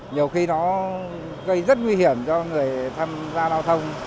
nhiều khi nó gây rất nguy hiểm cho người tham gia giao thông